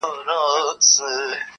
• ځيني يې درد بولي ډېر..